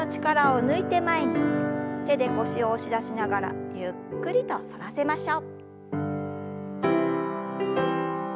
手で腰を押し出しながらゆっくりと反らせましょう。